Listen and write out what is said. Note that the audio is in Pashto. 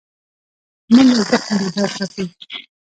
منډه ذهن بیدار ساتي